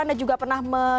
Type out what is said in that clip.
anda juga pernah menukar